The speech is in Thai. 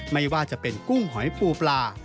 ไม่ว่าจะเป็นกุ้งหอยปูปลา